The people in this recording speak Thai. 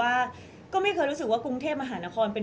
มิวยังมีเจ้าหน้าที่ตำรวจอีกหลายคนที่พร้อมจะให้ความยุติธรรมกับมิว